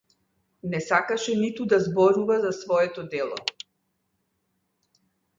Не сакаше ниту да зборува за своето дело.